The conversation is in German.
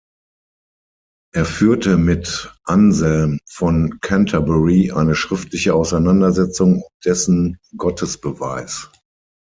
Er führte mit Anselm von Canterbury eine schriftliche Auseinandersetzung um dessen Gottesbeweis.